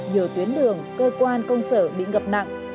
nhiều tuyến đường cơ quan công sở bị ngập nặng